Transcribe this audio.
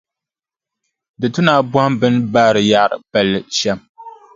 Di tu ni a bɔhim bɛ ni baari yaɣiri palli shɛm.